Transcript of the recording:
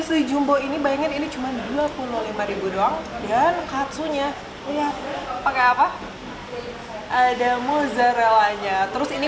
sui jumbo ini bayangin ini cuma dua puluh lima doang dan katsunya pakai apa ada mozzarella nya terus ini